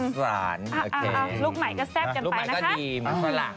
ลูกใหม่ก็แซ่บกันไปนะคะ